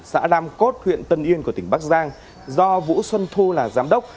xã lam cốt huyện tân yên của tỉnh bắc giang do vũ xuân thu là giám đốc